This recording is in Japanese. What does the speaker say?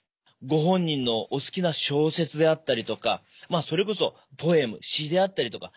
ご本人のお好きな小説であったりとかそれこそポエム詩であったりとか何でもいいんです。